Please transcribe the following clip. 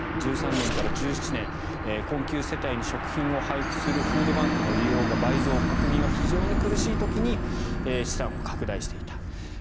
１３年から１７年、困窮世帯に食品を配布するフードバンクの利用が倍増国民は非常に苦しい時に資産を拡大していた。